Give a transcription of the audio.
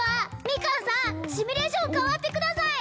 ミカンさんシミュレーション代わってください